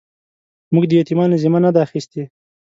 موږ د يتيمانو ذمه نه ده اخيستې.